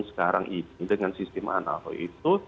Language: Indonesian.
sekarang ini dengan sistem analog itu